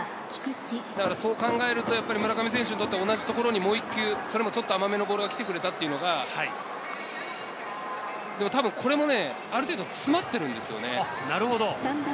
そう考えると、村上選手にとって同じ所にもう１球、しかも甘めのボールが来てくれたというのが、たぶんこれもある程度、詰まっているんですよね。